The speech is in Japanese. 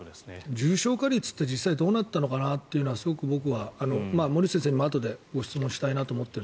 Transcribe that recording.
重症化率って実際どうなったのかなってすごく僕は森内先生にもあとでご質問したいと思ってる。